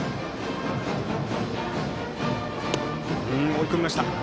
追い込みました。